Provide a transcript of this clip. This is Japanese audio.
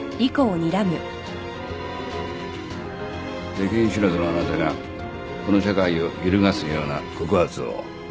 世間知らずのあなたがこの社会を揺るがすような告発を？